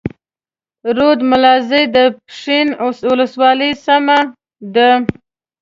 رود ملازۍ د پښين اولسوالۍ سيمه ده.